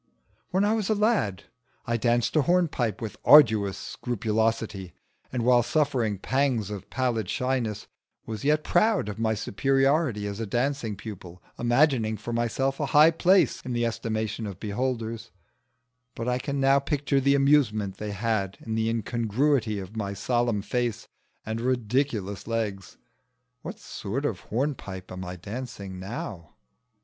When I was a lad I danced a hornpipe with arduous scrupulosity, and while suffering pangs of pallid shyness was yet proud of my superiority as a dancing pupil, imagining for myself a high place in the estimation of beholders; but I can now picture the amusement they had in the incongruity of my solemn face and ridiculous legs. What sort of hornpipe am I dancing now?